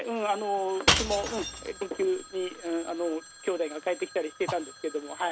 うちもこちらにきょうだいが帰ってきてたりしてたんですけど。